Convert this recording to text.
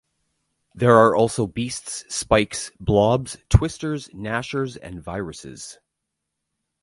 There are also beasts: spikes, blobs, twisters, gnashers, and viruses.